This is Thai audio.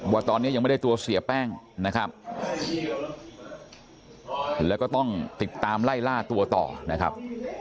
ว่าตอนนี้ยังไม่ได้ตัวเสียแป้งนะครับแล้วก็ต้องติดตามไล่ล่าตัวต่อนะครับ